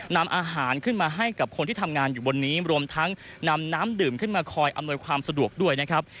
นำอาหารขึ้นมาให้กับคนที่ทำงานอยู่บนนี้รวมทั้งนำน้ำดื่มขึ้นมาคอยอำนวยความสะดวกด้วยนะครับ